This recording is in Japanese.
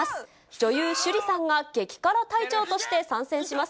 女優、趣里さんが激辛隊長として参戦します。